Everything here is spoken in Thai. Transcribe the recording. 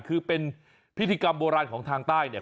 คือเป็นพิธีกรรมโบราณของทางใต้เนี่ย